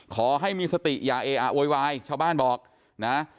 ขอให้มีสติอย่าเออะโวยวายชาวบ้านบอกนะ